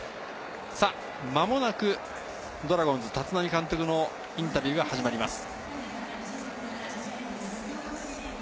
間もなくドラゴンズ・立浪監督のインタビューが始まります。